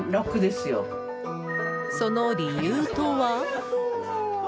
その理由とは。